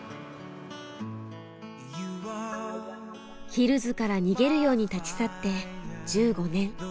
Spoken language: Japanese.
ヒルズから逃げるように立ち去って１５年。